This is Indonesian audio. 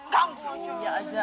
kau juga aja